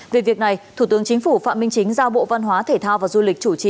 về việc này thủ tướng chính phủ phạm minh chính giao bộ văn hóa thể thao và du lịch chủ trì